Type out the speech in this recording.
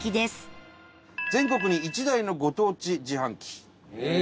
伊達：全国に１台のご当地自販機。